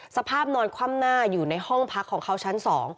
สภาพนอนคว่ำหน้าอยู่ในห้องพักของเขาชั้น๒